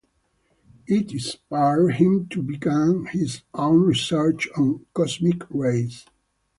It inspired him to begin his own research on cosmic rays.